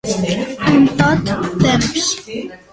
En tot temps.